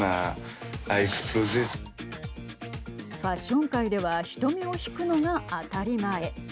ファッション界では人目を引くのが当たり前。